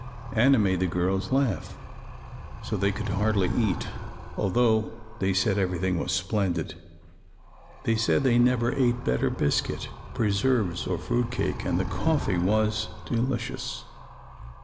Anna made the girls laugh so, they could hardly eat, although they said everything was splendid. They said they never ate better biscuit, preserves, or fruit cake and the coffee was delicious.